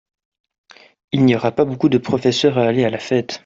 Il n'y aura pas beaucoup de professeurs à aller à la fête.